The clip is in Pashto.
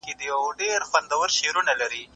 موږ باید له تیرو تجربو زده کړه وکړو.